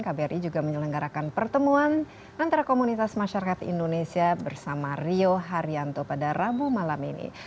kbri juga menyelenggarakan pertemuan antara komunitas masyarakat indonesia bersama rio haryanto pada rabu malam ini